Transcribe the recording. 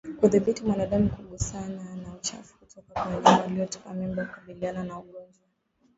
Kudhibiti mwanadamu kugusana na uchafu kutoka kwa wanyama waliotupa mimba hukabiliana na ugonjwa